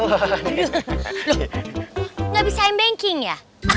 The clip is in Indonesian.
loh gak bisa aim banking ya